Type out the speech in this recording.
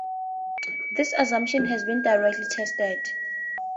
This assumption has been directly tested.